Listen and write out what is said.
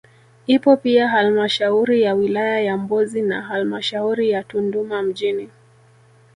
Ipo pia halmashauri ya wilaya ya Mbozi na halmashauri ya Tunduma mjini